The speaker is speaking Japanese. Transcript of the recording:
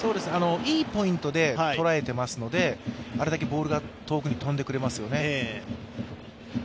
いいポイントで捉えていますので、あれだけボールが遠くに飛んでくれますよね。